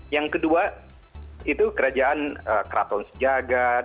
yang kedua itu kerajaan keraton sejagat